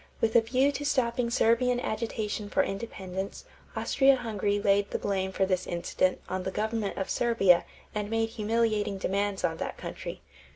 With a view to stopping Serbian agitation for independence, Austria Hungary laid the blame for this incident on the government of Serbia and made humiliating demands on that country.